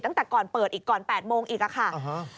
ตั้งแต่ก่อนเปิดอีกก่อน๘โมงอีกค่ะ